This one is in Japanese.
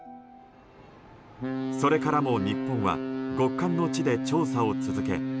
それからも日本は極寒の地で調査を続け